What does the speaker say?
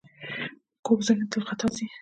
کوږ ذهن تل خطا ځي